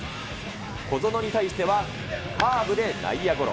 小園に対してはカーブで内野ゴロ。